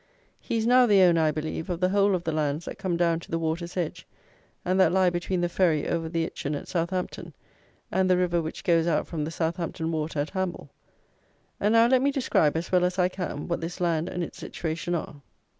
He is now the owner, I believe, of the whole of the lands that come down to the water's edge and that lie between the ferry over the Itchen at Southampton, and the river which goes out from the Southampton Water at Hamble. And now let me describe, as well as I can, what this land and its situation are.